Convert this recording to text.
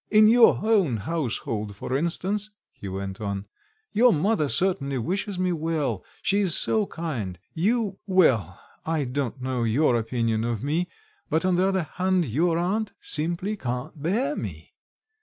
"In your own household, for instance," he went on, "your mother certainly wishes me well, she is so kind; you well, I don't know your opinion of me; but on the other hand your aunt simply can't bear me.